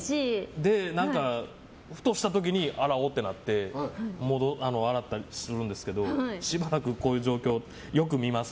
ふとした時に洗おうってなって洗ったりするんですけどしばらくこういう状況よく見ます